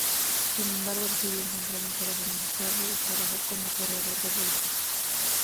Sin embargo, decidió encontrar un trabajo más estable, y trabajó cómo corredor de bolsa.